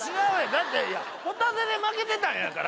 だっていやホタテで負けてたんやから。